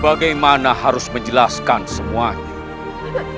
bagaimana harus menjelaskan semuanya